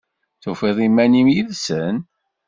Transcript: Tufiḍ iman-im yid-sen?